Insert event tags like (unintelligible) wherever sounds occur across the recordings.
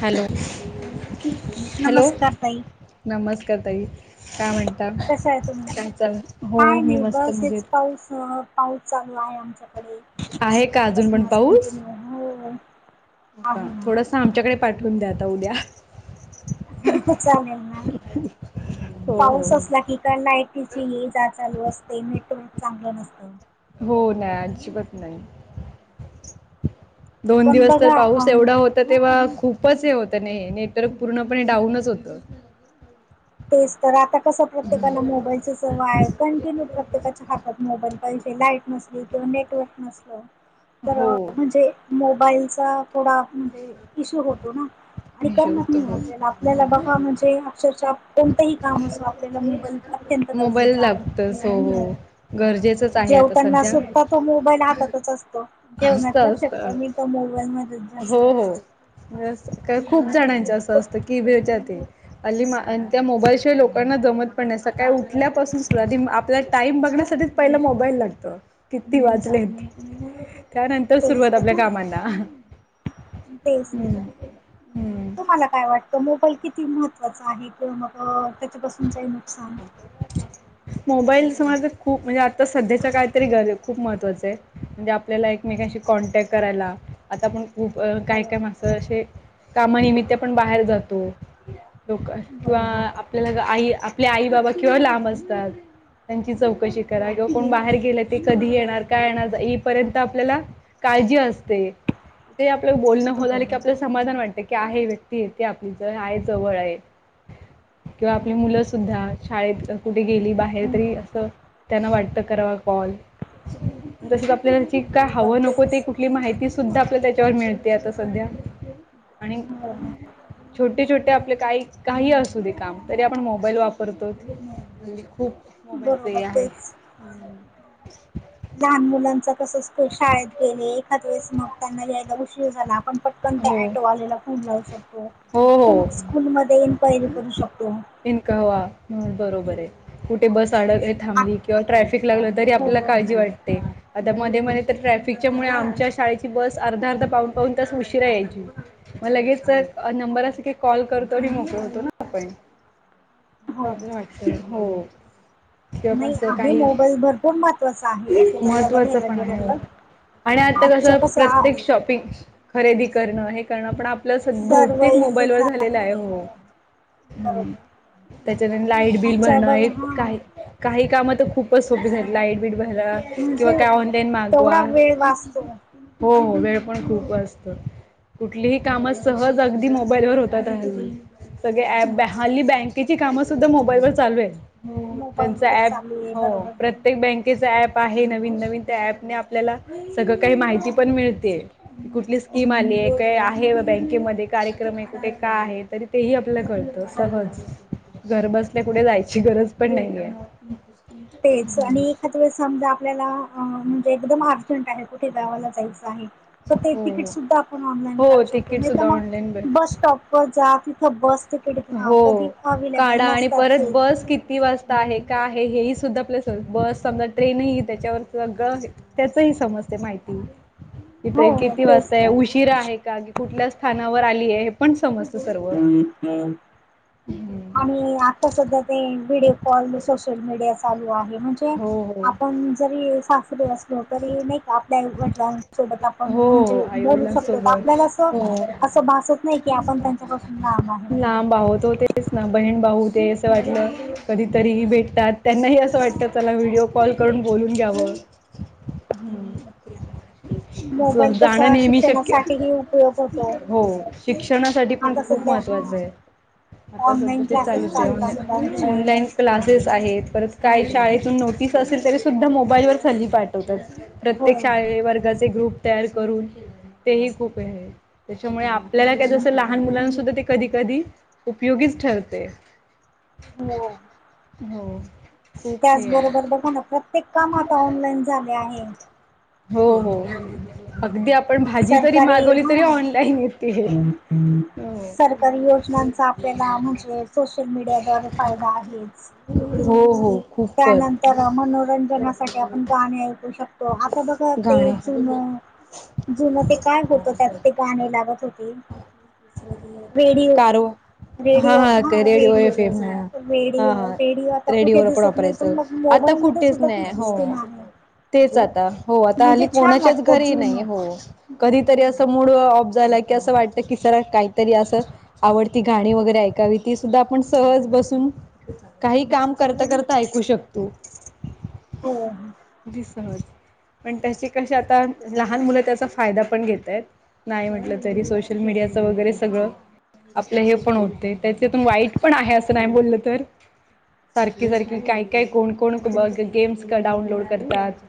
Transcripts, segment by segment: Hello, hello नमस्कार ताई नमस्कार ताई. काय म्हणता? कशा आहे तुम्ही काय चाल? हो काय मी नाही मस्त बस हेच मजेत. पाऊस पाऊस चांगला आहे आमच्याकडे आहे का अजून सकाळपासून पण आज पाऊस? कंटिन्यू हो हो का आहे थोडस आमच्याकडे पाठवून द्या आता उद्या. हो चालेल ना हो हो पाऊस असला की का नाही. तिची ये जा चालू असते, नेटवर्क चांगलं नसतं हो नाही अजिबात नाही. दोन पण दिवस तर बघा अ, पाऊस एवढा होता तेव्हा हो खूप पच हे होतं नाही नेट पूर्णपणे डाऊनच होतं. तेच तर आता कसं प्रत्येकाला मोबाईलचं सवय आहेत. कंटिन्यू प्रत्येकाच्या हातात मोबाईल पाहिजे, लाईट नसली किंवा नेटवर्क नसलं. तर हो म्हणजे मोबाईलचा थोडा म्हणजे इशू होतो ना. आणि हिशोब करमत नाही, तर हो आपल्याला आपल्याला बघा, म्हणजे अक्षरशः कोणतही काम असो आपल्याला मोबाईल अत्यंत गरजेचा आहे. हो हो. गरजेचं जेवताना सुद्धा तो मोबाईल हातातच असतो, जेवणात असतं लक्ष असतं कमी तर मोबाईल म हो हो खूप जणांच असं तर असतं की (unintelligible) अली मा अन त्या मोबाईल शिवाय लोकांना जमत पण नाही सकाळी उठ ठल्यापासून सुद्धा आपला टाइम बघण्यासाठी पहिला मोबाईल लागतो किती वाजलेत? त्यानंतर तेच सुरुवात तर आपल्या तुम कामांना. हम्म तेच तर हम्म (unintelligible) तुम्हाला काय वाटतं? मोबाईल किती महत्त्वाचा आहे किंवा, मग त्याच्यापासून काही नुकसान. (inaudible) मोबाईल समज खूप म्हणजे, आता सध्याच्या काळात तरी ग खूप महत्त्वाचा आहे. म्हणजे आपल्याला एकमेकांशी कॉन्टॅक्ट करायला, आता आपण खूप हो काय काय माणस अशे कामानिमित्त पण बाहेर जातो लोक किंवा बरोबर आपल्याला आई आपले आई बाबा किंवा लांब असतात. त्यांची चौकशी हो करा किंवा कोण बाहेर गेले, ते कधी येणार, काय येणार येईपर्यंत आपल्याला. काळजी असते. ते आपलं बोलणं हो झालं बरोबर की, आपल्या समाधान हम्म. वाटत की आहे, व्यक्ती येते आपली ज आहे जवळ आहे. किंवा आपली हम्म. मुलं सुद्धा शाळेत कुठे गेली, बाहेर हो तरी ना असं त्यांना वाटतं करावा कॉल तसच आपल्याला की काय बरोबर हव नको ते तेच कुठली माहिती सुद्धा आपल्या त्याच्यावर मिळते आता सध्या. आणि छोटे छोटे आपले काही काही असं. काम तरी आपण मोबाईल वापरतो खूप मोबाईलच बरोबर आहे. तेच हम. लहान मुलांच कस शाळेत गेले एखाद वळेस मग त्यांना घ्यायला उशीर झाला. पण पटकन त्या हो ऑटोवाल्याला खूप लावू शकतो हो तर हो मग स्कूलमध्ये. काहीरी करू शकतो. इन कवा म्हण बरोबर आहे कुठे बस अड आ- थांबली की. किंवा ट्रॅफिक लागलं तरी हो आपल्याला काळजी वाटते. आता मध्ये मध्ये तर ट्रॅफिकच्या मुळे आमच्या शाळेची बस अर्धा अर्धा पाऊन पाऊन तास उशिरा यायची. मग लगेच हो नंबर असी कॉल करतो आणि मोकळतो. करतो ना पण हो आप वाटत हो. किंवा पण नाही असं आहे काही मोबाईल भरपूर महत्वाचा आहे तसा महत्त्वाचं बघायला पण गेला आहे तर. आणि आता कस आजच्या कसं आ प्रत्येक शॉपिंग खरेदी करणं हे करणं पण आपण. प्लस सर्व बहुतेक इझी मोबाईलवर झालेला आहे झालंय हो. हम्म बरोबर त्याच्या लाइट बिल आजच्या भरणं बघ आहे हा काय. काही कामं तर खूपच सोपी झाली लाईट बीट भरला. किंवा म्हणजे काय ऑनलाईन मागवा तेवढा वेळ वाचतो हो हो वेळ पण खूप वाचतो. कुठलीही कामं सहज अगदी मोबाईलवरर होतात हल्ली. सगळे अँप बरोबर हल्ली बँकेची कामं सुद्धा मोबाईल वर चालू आहेत. हो मोबाईलवरच त्यांचा ऍप चालू आहे हो बरोबर प्रत्येक बँक. ते जे ऍप आहे नवीन नवीन त्या ऍपणे आपल्याला सगळं काही माहिती पण मिळते. कुठली स्कीम आली आहे काय आहे बँकेमध्ये कार्यक्रम आहे कुठे का आहे तरी. तेही आपल्या कळतं बरोबर सहज घर बसल्या कुठे जायची गरज पण नाहीये. तेच आणि एखाद वेळेस समजा आपल्याला म्हणजे अ एकदम अर्जंट आहे कुठे जावाला जायचं आहे. तर ते हो तिकीट हो सुद्धा आपण ऑनलाईन हो काढू शकतो तिकीट नाही तर सुद्धा ऑनलाईन मग बस भेट स्टॉप वर जा तिथं बस. तिकिड हा हो कधी अवेलेबल काढा आणि नसतच. परत बस किती वाजता. ता आहे का आहे हे ह सुद्धा प्लेस बस समजा ट्रेनही त्याच्यावर सगळं आहे. त्याच ही समजते माहिती की ट्रेन हो किती तेच वाजताय उशीरा आहे. गाडी कुठल्या स्थानावर आली आहे हे पण समजत सर्व. हम्म आणि आता सध्या ते व्हिडओ कॉल सोशल मीडियाच. चालू आहे म्हणजे हो हो आपण जरी सासरी असलो तरी नाही आपल्या आई वडलां. त्याच्या सोबत आप हो म्हणजे बोलू शकतो आईवडिलांसोबत आपल्याला अस हो अस भासत नाही की आपण त्यांच्या. लांब. आहोत तर होतेच ना बहीण भाऊ ते असं वाटलं कधीतरी भेटतात त्यांनाही असं वाटतं. त्याला व्हिडिओ कॉल करून बोलून घ्यावं. हम्म. मोबाईल जाणं कसा नेहमी शक्य शिक्षणासाठीही उपयोग होतो हो शिक्षणासाठी. पण आता खूप सध्या महत्त्वाचं आहे हा आता सधा ऑनलाईन ते क्लासेस चालूच आहे ऑन चालता मुलांचे ऑनलाईन. क्लासेस आहेत परत काय शाळेतून नोटीस असेल तरी सुद्धा मोबाईल वर हाली पाठवतात. हो प्रत्येक शाळे वर्गाचे ग्रुप तयार करून तेही खूप आहे. त्याच्यामुळे आपल्याला काय जसं लहान मुलांसद्धा ते कधी कधी. उपयोगीच ठरते. हो, हो, खूप हे आहे त्याचबरोबर बघा ना प्रत्येक काम आता ऑनलाईन झाले आहे. हो हो, अगदी आपण. भाजी जरी मागवली तरी ऑनलाईन. येते हम हम. हो सरकारी योजनांचा आपल्याला म्हणजे सोशल मीडिया द्वारे फायदा आहेच. हो हो, खूपच त्यानंतर मनोरंजनासाठी आपण गाणी ऐकू शकतो. तो आता बघा ते जुन. गाणे जुनं ते काय होतं त्यात ते गाणे लागत होते. रेडिओ करो. हा हा, ते रेडिओ हे फेम आहे हा रेडिओ हा आता रेडिओ कुठे वर आपण. दिसत नाही वापरायच पण मग आता मोबाईल मध्ये कुठेच सुद्धा ती नाही हो. सिस्टीम आहे. तेच आता हो आता हली म्हणजे छान कोणाच्याच वाटतं घरीही नाही जुनं हो. कधीतरी असं मूड ऑफ झाला की असं वाटत की सर काहीतरी असं. आवडती गाणी वगैरे ऐकावी ती सुद्धा आपण सहज बसून. काही काम करता करता ऐकू शकतो हो दिस ''--'' सज पण त्याचे कशी आता लहान मुलं त्याचा फायदा पण घेत आहेत नाही म्हटलं. तरी सोशल मीडियाचं वगैरे सगळं. हा. आपलं हे पण होतते त्याच्यातून वाईट पण आहे असं नाही बोललं तर. सारखी सारखी काय काय कोण कोण बघ गेम्स डाउनलोड करतात.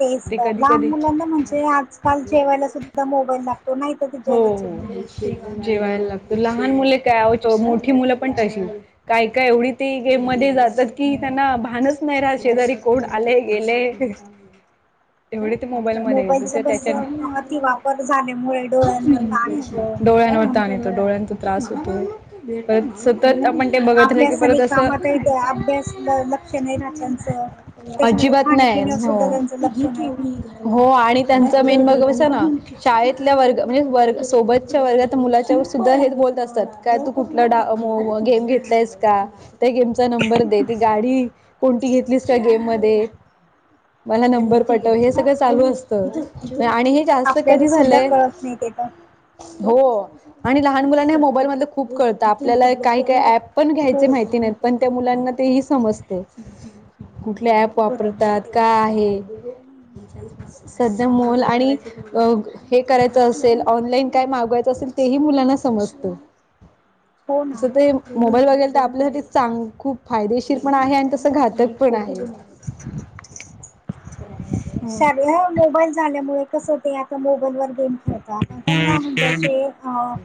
तेच ते तर कधी लहान कधी मुलांना म्हणजे आजकाल जेवायला सुद्धा मोबाईल लागतो. नाही तर ते हो जेवत सुद्धा नाही. जेवायला लागत लहान मुले काय आत मोठी मुलं पण तशीच. काय काय एवढी ते गेम मध्ये जातात की त्यांना भानच नाही राहा शेजारी कोण. आलेय गेलेय. (inaudible) तेवढे ते मोबाईल मध्येेत तर त्याच्यानी. अति वापर झाल्यामुळे. डोळ्यांवर ताण येतो. डोळ्यांवर तान येत डोळ्यांचा त्रास होतो. पर सतत आपण ते बघत रा की अभ्यास आणि परत असं. कामातही ते अभ्यास लक्ष नाही राहत त्यांचं. त्याच्यानंतर अजिबात नाही खाण्यापिण्यावर सुद्धा त्यांचं लक्ष नाही राहत. हो आणि त्यांच मेन ब आणि ''--'' तर शाळेतल्या वर्ग. म्हणजे वर्ग सोबतच्या वर्ग तर मुलाच्यावर सुद्धा हेच बोलत असतात काय तू कुठला डा गेम घेतलस. का त्या गेमचा नंबर दे ती गाडी कोणती घेतलीस का गेम मध्ये. मला नंबर पटव हे सगळं चालू असत आणि हे जास्त कधी झालंय. माहितीये का. हो आणि लहान मुलांना मोबाईल मधलं खूप कळतं आपल्याला काही काही ऍप. पण घ्यायचे हो माहिती नाहीत पण त्या मुलांना ते ही समजते. कुठले ऍप बरोबर वापरतात ते का आहे. सध्या मुल आणि अ हे. करायच असेल ऑनलाईन काय मागवायचं असेल तेही मुलांना समजत. हो ना तसं ते. मोबाईल वगैल तर आपल्यासाठी चांग खूप फायदेशीर पण आहे आणि तसं घातक पण आहे. (inaudible) हो श मोबाईल झाल्यामुळे कस होत. आता मोबाईल वर गेम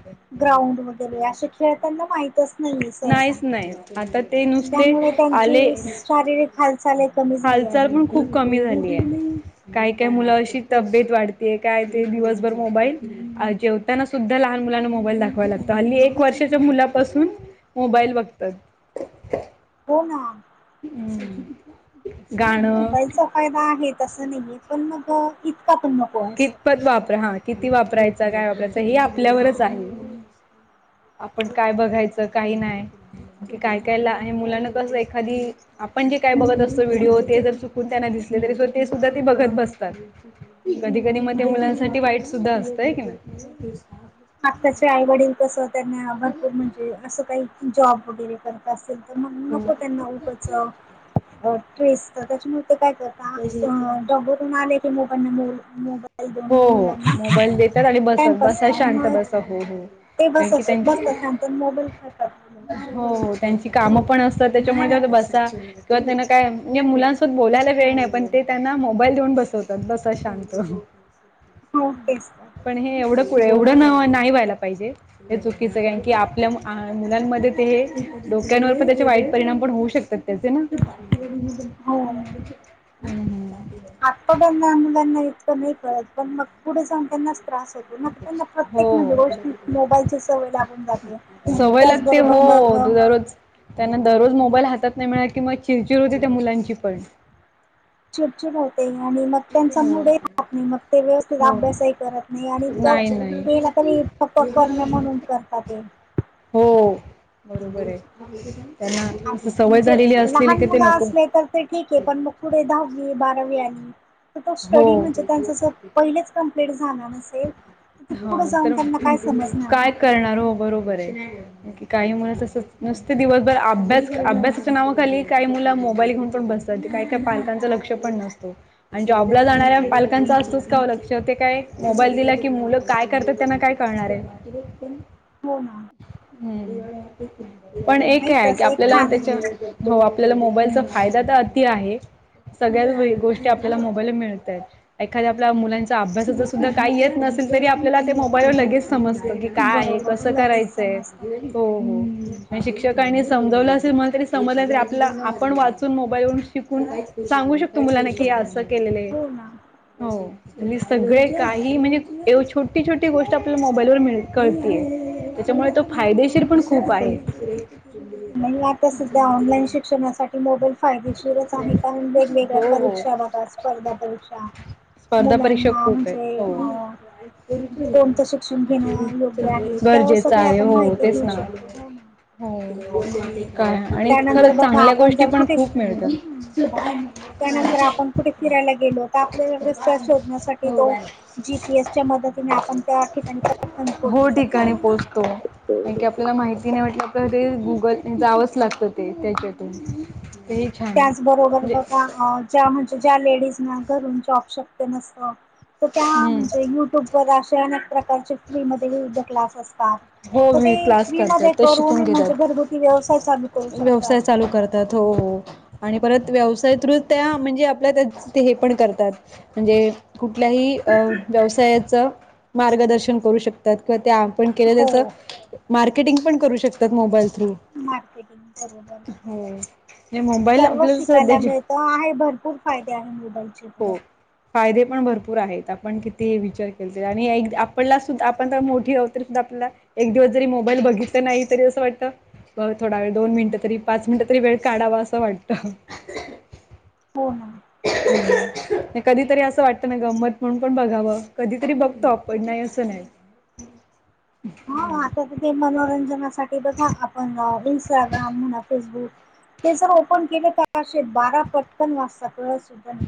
(inaudible) ग्राउंड वगैरे असे खेळताना माहितच नाहीये स सा. नाहीच नाही आता ते नुसते त्यामुळे त्यांची आले शारीरिक हालचाल कमी झाली हालचाल आहे. पण खूप कमी झालीये. काय काय मुल अशी तब्येत वाढतेय. काय ते दिवसभर मोबाईल. अ जेव तांना सुद्धा लहान मुलांना मोबाईल दाखवाला लागत. हल्ली एक वर्षाच्या मुलापासून मोबाईल बघतात. हो ना. नाही गाणं. मोबाईलचा फायदा आहे तसं नाहीये. पण मग इतका पण नको. असं कितपत वापरा, हा किती वापरायचा? काय वापरायच? हे आपल्यावरच आहे. आपण काय बघायचं काय नाय. की काय काय ला आणि मुलाना कसं एखादी आपण जे काय बघत असतो व्हिडिओ. ते जर चुकून त्यांना दिसले. तरी स ते सुद्धा ते बघत बसतात. कधी कधी मग ते मुलांसाठी वाईट सुद्धा असतंय की ना. आताचे आईवडील कसं, त्यांना भरपूर म्हणजे, असं काही जॉब वगैरे करत असेल. तर म्हणून हो. नको त्यांना उगच ट्रेस. तर त्याच्यामुळे ते काय करत का त जॉब वरून आले की, मोबाईलना मो मोबा मोबाईल देऊन हो हो मुलांना मोबाईल देतात आणि बस टाईमपास बसा व्हावा. शांत मग बसा हो हो ते बस कारण की त्यांची बसता शांत न मोबाईल खेळतात ते मुल. हो त्यांची कामं पण असतात. त्याच्यामुळे ते म्हणता बसा किंवा त्यांना काय म्हणजे मुलांसोबत बोलायला वेळ नाही. पण ते त्यांना मोबाईल देऊन बसवतात. बसा शांत. To test. पण हे एवढं एवढं नाही व्हायला पाहिजे. हे चुकीचंय कारण की आपल्या, मुलांमध्ये ते डोक्यांवर पण त्याचे वाईट परिणाम पण होऊ शकतात. त्याचे ना. हम्म हम्म. (inaudible) ह (inaudible) आता त्यांना मुलांना इतकं नाही कळत. पण मग पुढे जाऊन त्यांनाच त्रास होतो. त्यांना प्रत्येक म्हणजे हो गोष्टी मोबाईलची सवय लागून जाते. सवय लागते. त्याचबरोबर मग हो दरोज. त्यांना दररोज मोबाईल हातात नाही मिळाला कि, म चिडचिड होते त्या मुलांची पण. चिडचिड होते. आणि मग त्यांचा हो मुडे राहात नाही मग. ते व्यवस्थित हो अभ्यासही करत नाही. आणि नाही केला तरी फक्त नाही करणे म्हणून करता ते. हो बरोबरे. त्यांना सवय म्हणजे झालेली असलेली लहान की, ते मुलं नको असले तर ते ठीके. पण मग पुढे दहावी बारावी आली. तर तो स्टडी हो म्हणजे त्यांच जर पहिलेच कंप्लीट झाला नसेल. तर ते हा पुढे जाऊन तर त्यांना काय समजणार ना काय करणार हो बरोबरे. काही मुलं तसं नुसते दिवसभर अभ्यास, अभ्यासाच्या नावाखाली काही मुलं मोबाईल घेऊन पण बस काही काही पालकांचं लक्ष पण नसत. आणि जॉबला जाणाऱ्या पालकांचा असतच कवा लक्ष. ते काय मोबाईल दिला की मुलं काय करतात. त्यांना काय कळणारे. न (unintelligible) हो ना. हम्म, पण एके नाही की तसं एक आपल्याला छान त्याच्या आपल्याला मोबाईलचा फायदा त अति आहे. सगळ्या गोष्टी आ ल्याला मोबाईलव मिळतायेत. एखाद्या आपल्या मुलांचा अभ्यासाच सुद्धा काही येत नसेल तरी आपल्याला ते मोबाईलवर लगेच. समजत की काय आहे बरोबर कसं लगेच करायचंय समजतं हो हो. शिक्षकांनी समजवलं असेल म्हण तरी समजलं तरी आपला आपण वाचून मोबाईल वून शिकून. सांगू शकतो मुलाना कि शिकवू असं केलेलं शकतो हो ना हो. आणि सगळे काही म्हणजे एव छोटी छोटी गोष्ट आपल्याला मोबाईलवर मिळ कळतीय. त्याच्यामुळे तो फायदेशीर पण खूप आहे. नाही आता सध्या ऑनलाईन शिक्षणासाठी. ही मोबाईल फायदेशीरच आहे कारण वेगवेगळ्या हो हो परीक्षा बघा स्पर्धा परीक्षा. स्पर्धा परीक्षा मुलांना खूप आहेत म्हणजे हो. अ. म्हणजे कोणतं शिक्षण घेणं योग्य आहे त्यावर गरजेचं सगळे आहे आपण हो माहिती तेच घेऊ ना. शकतो हो ना. हो काय आणि खरं त्यानंतर बघा चांगल्या आपण गोष्टी जर पण कुठे खूप मिळत. हम्म त्यानंतर आपण कुठे फिरायला गेलो तर आपल्याला रस्त्या शोधण्यासाठी तो जीपीएसच्या मतीने आपण त्या ठिकाणी पटकन पोहचू हो ठिकाणी शकतो. पोहोचतो. कारण की आपल्याला माहिती नाही म्हटलं आपल्या ते गुगल जावंच लागतं ते त्याच्यातून. तेही छान त्याचबरोबर म्हणजे बघा हा. ज्या म्हणजे ज्या लेडीजना घरून जॉब शक्य नसत तर त्या हम्म. म्हणजे युट्यूब. व अशे अनेक प्रकारचे फ्री मध्ये विविध क्लास असतात. हो तात तर मी ते क्लास फ्री म करतात ते शिकून करून म्हणजे घेतात घरगुती व्यवसाय चालू करू शकतात. त्या हो हो आणि परत व्यवसायतू त्या म्हणजे आपल्या त्या हे पण करतात. म्हणजे कुठल्याही अ व्यवसायाचं. मार्गदर्शन करू शकतात किंवा आपण केले हो त्याचं. मार्केटिंग पण करू शकतात मोबाईल थ्रू. मार्केटिंग बरोबर हो. मोबाईल सर्व आपल्या शिकायला सध्याची मिळत. त आहे भरपूर फायदे आहे मोबाईल. हो, फायदे पण भरपूर आहेत आपण किती विचार केले ते आणि एक आपला सुद्धा आपण तर मोठी आहोत तरी सुद्धा आपल्याला. एक दिवस जरी मोबाईल बघितलं नाही तरी असं वाटत. बघ थोडा वेळ दोन मिनिटं तरी पाच मिनिटं तरी वेळ काढावा असं वाटतं. हो ना, ह (inaudible) नाही कधीतरी असं वाटतं ना गंमत म्हणून पण बघावं कधीतरी बघतो आपण नाही असं नाही. ् (inaudible) आता तर ते मनोरंजनासाठी बघा आपण इनंस्टाग्राम म्हणा फेसबुक. ते जर ओपन केलं तरशेत बारा पटकन वाजता कळत सुद्धा नाही.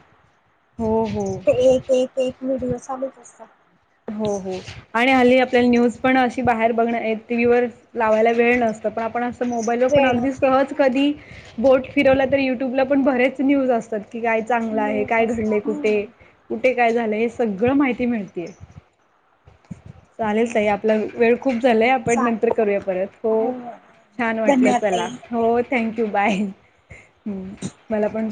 हो हो. ते एक एक एक वीडिओ चागत असतात. हो हो, आणि हल्ली आपल्याला न्यूज पण अशी बाहेर बघण टी व्ही वर लावायला वेळ नसत पण आपण असं. पण मोबाईलवर पण वेळ अगदी असतो सहज कधी. बोट फिरवला तर युट्यूबला पण बरेच न्यूज असतात की काय चांगलं आहे न्यूज काय असता घडले कुठे. हम्म कुठे काय झालंय हे सगळं माहिती मिळतीय. चालेल ताई आपण. ल वेळ खूप झालंय आपण नंतर चालेल करूया परत हो छान वाटलं धन्यवाद चला ताई. हो. थँक्यू बाय मला पण